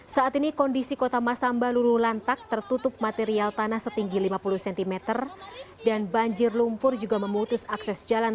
saat ini kondisi kota masamba lululantak tertutup material tanah setinggi lima puluh cm dan banjir lumpur juga memutus akses jalan